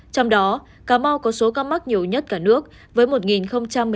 trong đó cà mau có số ca mắc nhiều nhất cả nước với một một mươi tám ca